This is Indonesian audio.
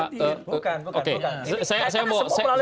bukan bukan bukan